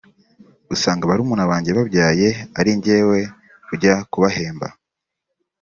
usanga barumuna banjye babyaye ari njyewe ujya kubahemba